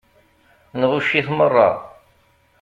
Nɣucc-it meṛṛa.